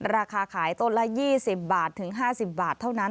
ราคาขายต้นละ๒๐บาทถึง๕๐บาทเท่านั้น